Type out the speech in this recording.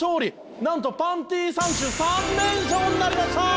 なんとパンティ３種３連勝になりました！